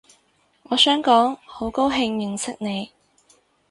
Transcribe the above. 我想講好高興認識你